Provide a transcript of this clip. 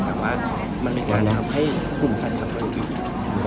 แต่ว่ามันมีความทำให้คุมขัดขัดขนาดอีก